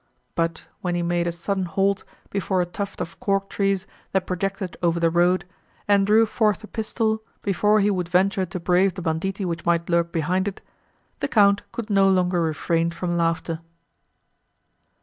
But, when he made a sudden halt before a tuft of cork trees, that projected over the road, and drew forth a pistol, before he would venture to brave the banditti which might lurk behind it, the Count could no longer refrain from laughter.